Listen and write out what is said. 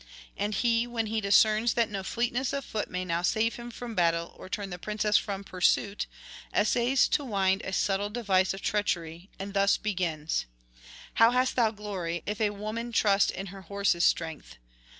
And he, when he discerns that no fleetness of foot may now save him from battle or turn the princess from pursuit, essays to wind a subtle device of treachery, and thus begins: 'How hast thou glory, if a woman trust in her horse's strength?